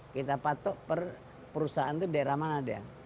kita patok perusahaan itu daerah mana dia